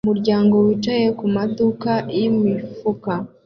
Umuryango wicaye kumaduka yimifuka